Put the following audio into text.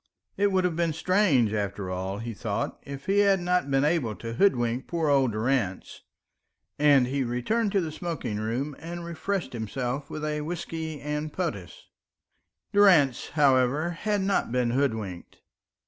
It would have been strange, after all, he thought, if he had not been able to hoodwink poor old Durrance; and he returned to the smoking room and refreshed himself with a whiskey and potass. Durrance, however, had not been hoodwinked.